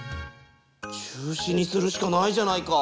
中止にするしかないじゃないか。